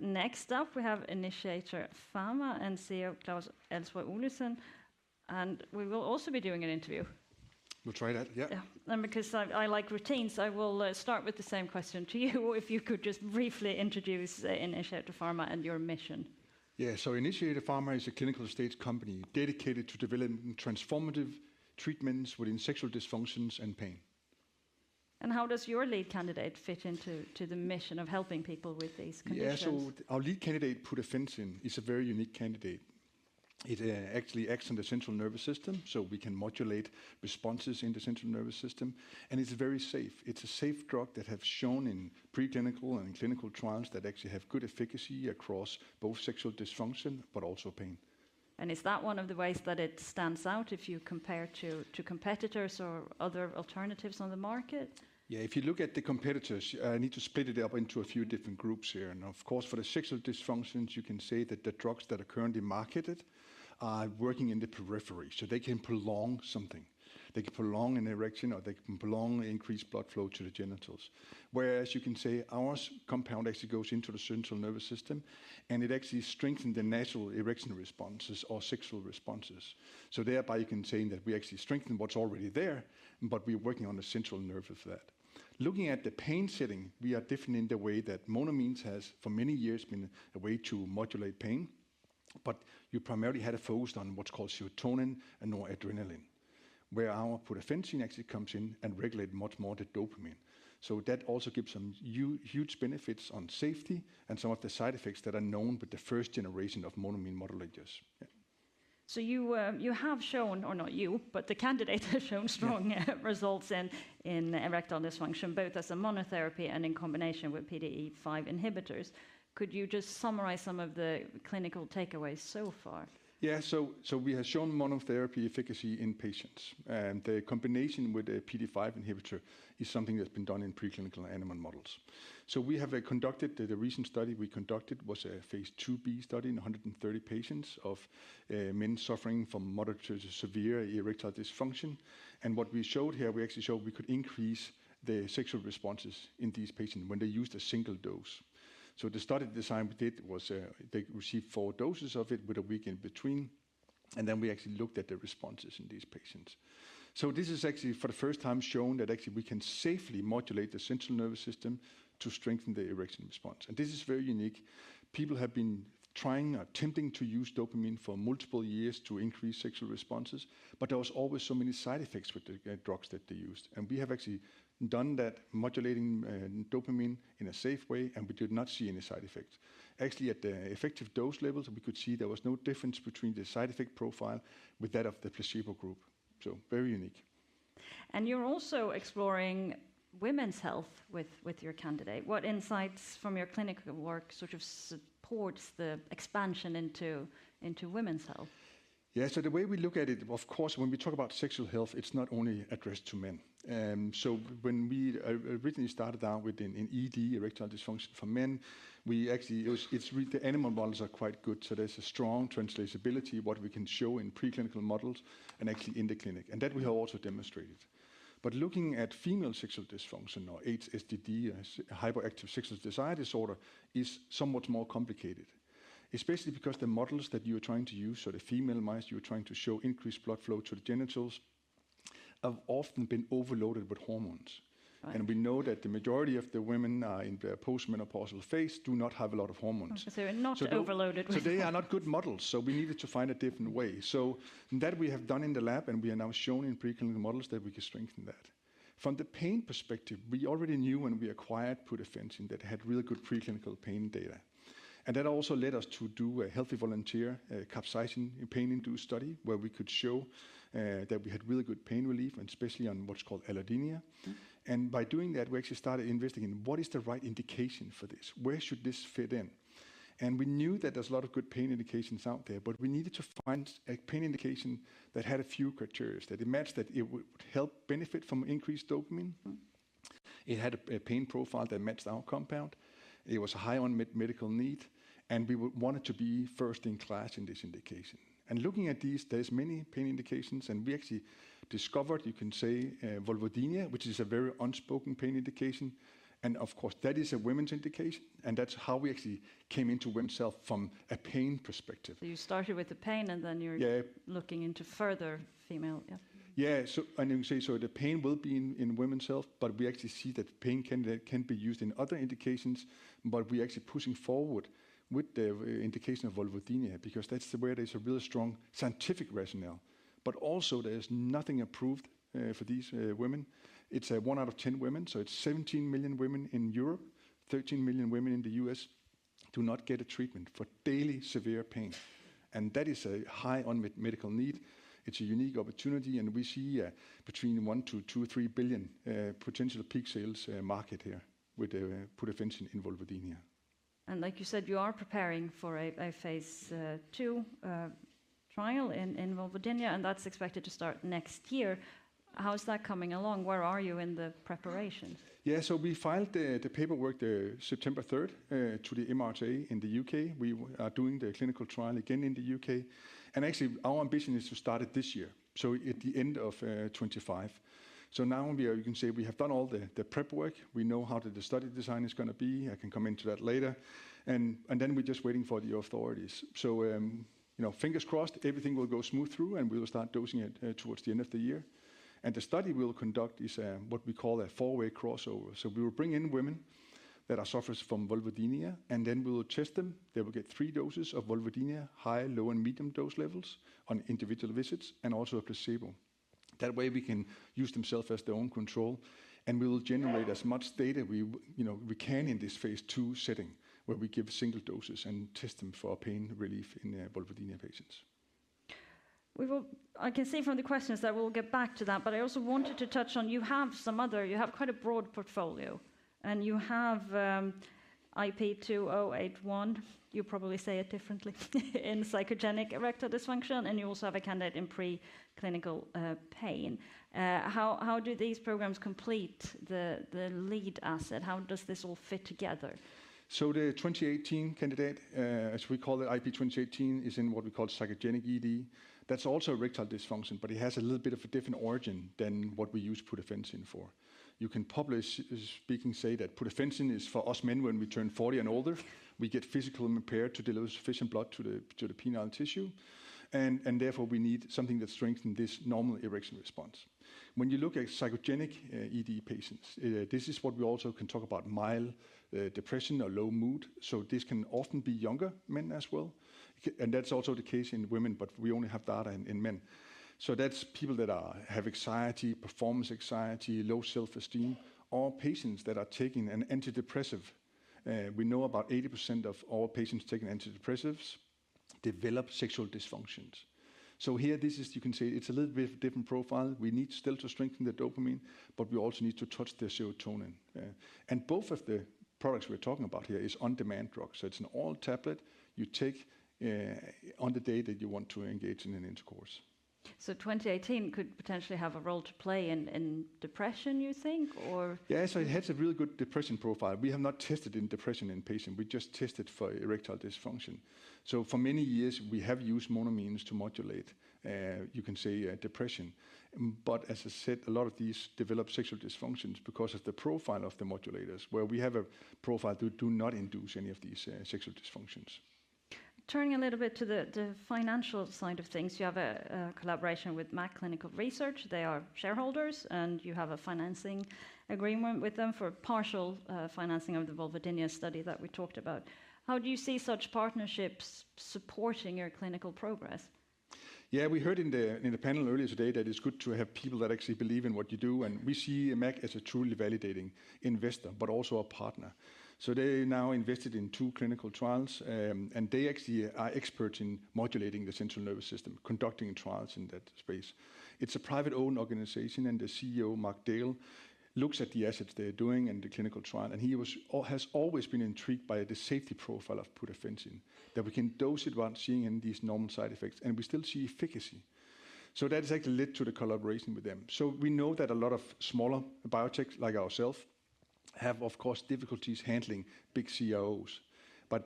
Next up we have Initiator Pharma and CEO Claus Elsborg Olesen, and we will also be doing an interview. We'll try that, yeah. Because I like routines, I will start with the same question to you. If you could just briefly introduce Initiator Pharma and your mission. Initiator Pharma is a clinical-stage company dedicated to developing transformative treatments within sexual dysfunctions and pain. How does your lead candidate fit into the mission of helping people with these conditions? Yeah, so our lead candidate, pudafensine, is a very unique candidate. It actually acts on the central nervous system, so we can modulate responses in the central nervous system, and it's very safe. It's a safe drug that has shown in preclinical and clinical trials that actually has good efficacy across both sexual dysfunction but also pain. Is that one of the ways that it stands out if you compare to competitors or other alternatives on the market? Yeah, if you look at the competitors, I need to split it up into a few different groups here, and of course, for the sexual dysfunctions, you can say that the drugs that are currently marketed are working in the periphery, so they can prolong something. They can prolong an erection, or they can prolong increased blood flow to the genitals. Whereas you can say our compound actually goes into the central nervous system, and it actually strengthens the natural erection responses or sexual responses, so thereby you can say that we actually strengthen what's already there, but we're working on the central nervous system of that. Looking at the pain setting, we are different in the way that monoamines have for many years been a way to modulate pain, but you primarily had to focus on what's called serotonin and noradrenaline, where our pudafensine actually comes in and regulates much more than dopamine. So that also gives some huge benefits on safety and some of the side effects that are known with the first generation of monoamine modulators. So you have shown, or not you, but the candidates have shown strong results in erectile dysfunction, both as a monotherapy and in combination with PDE5 inhibitors. `Could you just summarize some of the clinical takeaways so far? Yeah, so we have shown monotherapy efficacy in patients, and the combination with a PDE5 inhibitor is something that's been done in preclinical animal models. So the recent study we conducted was a Phase IIb study in 130 patients of men suffering from moderate to severe erectile dysfunction. And what we showed here, we actually showed we could increase the sexual responses in these patients when they used a single dose. So the study design we did was they received four doses of it with a week in between, and then we actually looked at the responses in these patients. So this is actually for the first time shown that actually we can safely modulate the central nervous system to strengthen the erection response. And this is very unique. People have been trying or attempting to use dopamine for multiple years to increase sexual responses, but there were always so many side effects with the drugs that they used. And we have actually done that, modulating dopamine in a safe way, and we did not see any side effects. Actually, at the effective dose levels, we could see there was no difference between the side effect profile with that of the placebo group. So very unique. You're also exploring women's health with your candidate. What insights from your clinical work sort of supports the expansion into women's health? Yeah, so the way we look at it, of course, when we talk about sexual health, it's not only addressed to men. So when we originally started out with an ED, erectile dysfunction for men, we actually, it's the animal models are quite good, so there's a strong translatability of what we can show in preclinical models and actually in the clinic. And that we have also demonstrated. But looking at female sexual dysfunction, or HSDD, hypoactive sexual desire disorder, is somewhat more complicated, especially because the models that you are trying to use, so the female mice you are trying to show increased blood flow to the genitals, have often been overloaded with hormones. And we know that the majority of the women in the postmenopausal phase do not have a lot of hormones. So they're not overloaded with hormones. So they are not good models, so we needed to find a different way. So that we have done in the lab, and we are now showing in preclinical models that we can strengthen that. From the pain perspective, we already knew when we acquired pudafensine that it had real good preclinical pain data. And that also led us to do a healthy volunteer capsaicin pain-induced study where we could show that we had real good pain relief, and especially on what's called allodynia. And by doing that, we actually started investigating what is the right indication for this, where should this fit in. And we knew that there's a lot of good pain indications out there, but we needed to find a pain indication that had a few criteria that it matched, that it would help benefit from increased dopamine. It had a pain profile that matched our compound. It was high on medical need, and we wanted to be first in class in this indication. And looking at these, there's many pain indications, and we actually discovered, you can say, vulvodynia, which is a very unspoken pain indication. And of course, that is a women's indication, and that's how we actually came into women's health from a pain perspective. So you started with the pain, and then you're looking into further female, yeah. Yeah, so and you can say, so the pain will be in women's health, but we actually see that pain can be used in other indications. But we're actually pushing forward with the indication of vulvodynia because that's where there's a real strong scientific rationale. But also, there's nothing approved for these women. It's one out of ten women, so it's 17 million women in Europe, 13 million women in the U.S do not get a treatment for daily severe pain. And that is a high unmet medical need. It's a unique opportunity, and we see between one to two to three billion potential peak sales market here with pudafensine and vulvodynia. Like you said, you are preparing for a Phase II trial in vulvodynia, and that's expected to start next year. How's that coming along? Where are you in the preparation? Yeah, so we filed the paperwork September 3rd to the MHRA in the U.K. We are doing the clinical trial again in the U.K., and actually our ambition is to start it this year, so at the end of 2025. Now we are, you can say, we have done all the prep work. We know how the study design is going to be. I can come into that later, and then we're just waiting for the authorities. Fingers crossed, everything will go smooth through, and we will start dosing it towards the end of the year. The study we'll conduct is what we call a four-way crossover. We will bring in women that are suffering from vulvodynia, and then we will test them. They will get three doses of vulvodynia, high, low, and medium dose levels on individual visits, and also a placebo. That way we can use themselves as their own control, and we will generate as much data we can in this Phase II setting where we give single doses and test them for pain relief in vulvodynia patients. I can see from the questions that we'll get back to that, but I also wanted to touch on you have some other, you have quite a broad portfolio, and you have IP2018, you probably say it differently, in psychogenic erectile dysfunction, and you also have a candidate in preclinical pain. How do these programs complete the lead asset? How does this all fit together? So the 2018 candidate, as we call it IP2018, is in what we call psychogenic ED. That's also erectile dysfunction, but it has a little bit of a different origin than what we use pudafensine for. You can publicly say that pudafensine is for us men when we turn 40 and older. We get physical impairment to deliver sufficient blood to the penile tissue, and therefore we need something that strengthens this normal erection response. When you look at psychogenic ED patients, this is what we also can talk about, mild depression or low mood. So this can often be younger men as well. And that's also the case in women, but we only have data in men. So that's people that have anxiety, performance anxiety, low self-esteem, or patients that are taking an antidepressant. We know about 80% of all patients taking antidepressants develop sexual dysfunctions. So here, this is, you can say, it's a little bit different profile. We need still to strengthen the dopamine, but we also need to touch the serotonin. And both of the products we're talking about here are on-demand drugs. So it's an oral tablet you take on the day that you want to engage in an intercourse. So 2018 could potentially have a role to play in depression, you think, or? Yeah, so it has a real good depression profile. We have not tested in depression in patients. We just tested for erectile dysfunction. So for many years, we have used monoamines to modulate, you can say, depression. But as I said, a lot of these develop sexual dysfunctions because of the profile of the modulators, where we have a profile that do not induce any of these sexual dysfunctions. Turning a little bit to the financial side of things, you have a collaboration with MAC Clinical Research. They are shareholders, and you have a financing agreement with them for partial financing of the vulvodynia study that we talked about. How do you see such partnerships supporting your clinical progress? Yeah, we heard in the panel earlier today that it's good to have people that actually believe in what you do, and we see MAC as a truly validating investor, but also a partner. So they now invested in two clinical trials, and they actually are experts in modulating the central nervous system, conducting trials in that space. It's a private-owned organization, and the CEO, Mark Dale, looks at the assets they're doing and the clinical trial, and he has always been intrigued by the safety profile of pudafensine, that we can dose it while seeing these normal side effects, and we still see efficacy. So that has actually led to the collaboration with them. So we know that a lot of smaller biotechs like ourselves have, of course, difficulties handling big CROs.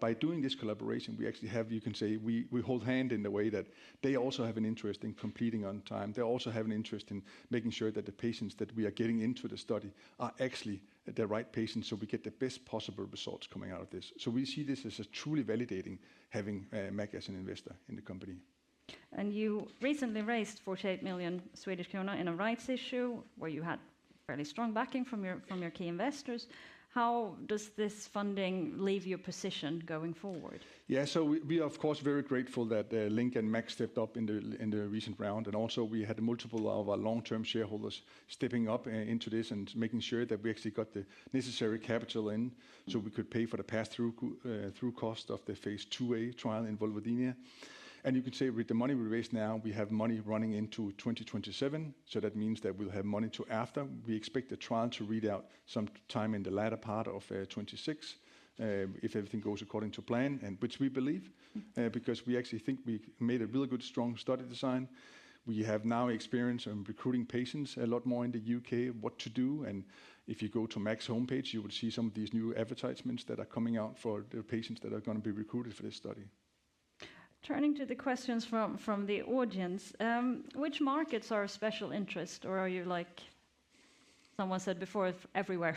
By doing this collaboration, we actually have, you can say, we hold hands in the way that they also have an interest in completing on time. They also have an interest in making sure that the patients that we are getting into the study are actually the right patients, so we get the best possible results coming out of this. We see this as a truly validating having MAC as an investor in the company. You recently raised 48 million in a rights issue where you had fairly strong backing from your key investors. How does this funding leave your position going forward? Yeah, so we are, of course, very grateful that Linc and MAC stepped up in the recent round, and also we had multiple of our long-term shareholders stepping up into this and making sure that we actually got the necessary capital in so we could pay for the pass-through cost of the Phase IIA trial in vulvodynia. You can say with the money we raised now, we have money running into 2027, so that means that we'll have money to after. We expect the trial to read out sometime in the latter part of 2026, if everything goes according to plan, which we believe, because we actually think we made a real good strong study design. We have now experience in recruiting patients a lot more in the U.K., what to do, and if you go to MAC's homepage, you will see some of these new advertisements that are coming out for the patients that are going to be recruited for this study. Turning to the questions from the audience, which markets are of special interest, or are you like, someone said before, everywhere?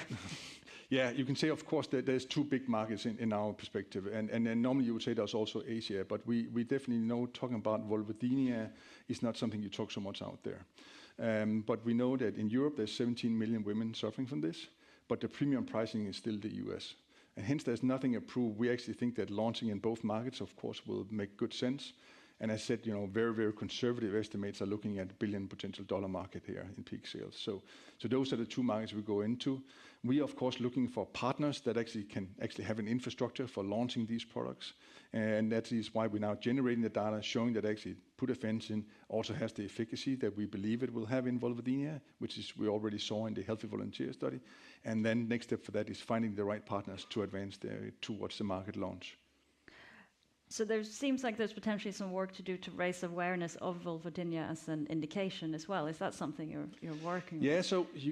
Yeah, you can say, of course, that there's two big markets in our perspective, and then normally you would say there's also Asia, but we definitely know talking about vulvodynia is not something you talk so much out there. But we know that in Europe, there's 17 million women suffering from this, but the premium pricing is still the U.S., and hence there's nothing approved. We actually think that launching in both markets, of course, will make good sense. And as I said, you know, very, very conservative estimates are looking at a $1 billion potential market here in peak sales. So those are the two markets we go into. We are, of course, looking for partners that actually can have an infrastructure for launching these products, and that is why we're now generating the data showing that actually pudafensine also has the efficacy that we believe it will have in vulvodynia, which we already saw in the healthy volunteer study, and then next step for that is finding the right partners to advance towards the market launch. So there seems like there's potentially some work to do to raise awareness of vulvodynia as an indication as well. Is that something you're working on?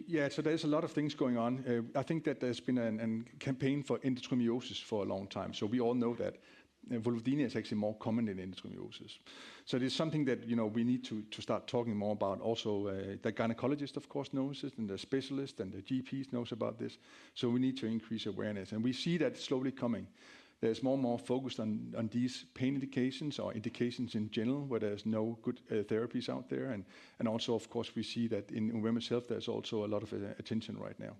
Yeah, so there's a lot of things going on. I think that there's been a campaign for endometriosis for a long time, so we all know that vulvodynia is actually more common in endometriosis. So it is something that, you know, we need to start talking more about. Also, the gynecologist, of course, knows this, and the specialist and the GPs know about this. So we need to increase awareness, and we see that slowly coming. There's more and more focus on these pain indications or indications in general where there's no good therapies out there. And also, of course, we see that in women's health, there's also a lot of attention right now.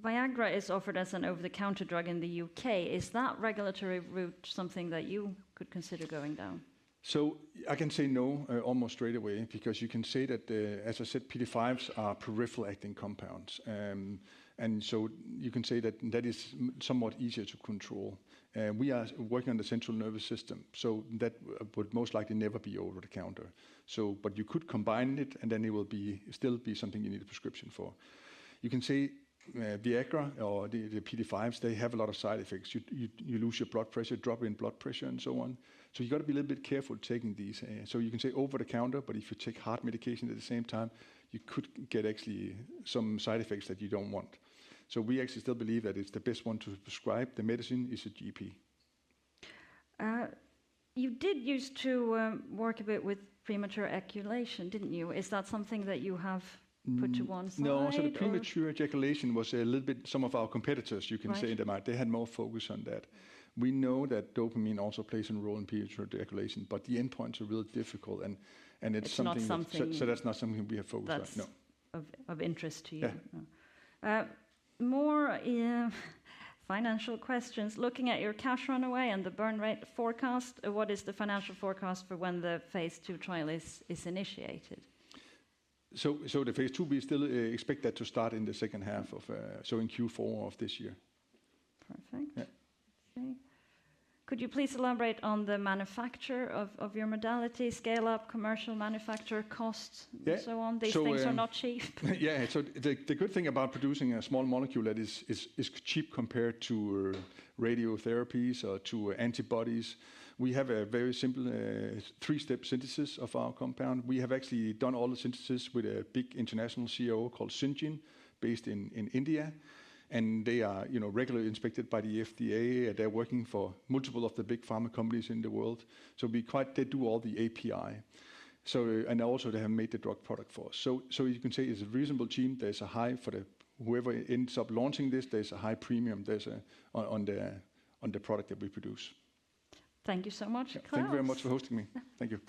Viagra is offered as an over-the-counter drug in the U.K. Is that regulatory route something that you could consider going down? So I can say no almost straight away because you can say that, as I said, PDE5s are peripheral-acting compounds, and so you can say that that is somewhat easier to control. We are working on the central nervous system, so that would most likely never be over the counter. So, but you could combine it, and then it will still be something you need a prescription for. You can say Viagra or the PDE5s, they have a lot of side effects. You lose your blood pressure, drop in blood pressure, and so on. So you've got to be a little bit careful taking these. So you can say over the counter, but if you take heart medication at the same time, you could get actually some side effects that you don't want. So we actually still believe that it's the best one to prescribe the medicine is a GP. You used to work a bit with premature ejaculation, didn't you? Is that something that you have put to one side? No, so the premature ejaculation was a little bit some of our competitors, you can say, in the market. They had more focus on that. We know that dopamine also plays a role in premature ejaculation, but the endpoints are real difficult, and it's something that's not something we have focused on, no. Of interest to you. More financial questions. Looking at your cash runway and the burn rate forecast, what is the financial forecast for when the Phase II trial is initiated? The Phase II, we still expect that to start in the second half of, so in Q4 of this year. Perfect. Could you please elaborate on the manufacture of your modality, scale-up, commercial manufacture, cost, and so on? These things are not cheap. Yeah, so the good thing about producing a small molecule that is cheap compared to radiotherapies or to antibodies. We have a very simple three-step synthesis of our compound. We have actually done all the synthesis with a big international CRO called Syngene, based in India, and they are regularly inspected by the FDA, and they're working for multiple of the big pharma companies in the world. So we outsource all the API, and also they have made the drug product for us. So you can say it's a reasonable team. There's a high bar for whoever ends up launching this. There's a high premium on the product that we produce. Thank you so much, Claus. Thank you very much for hosting me. Thank you.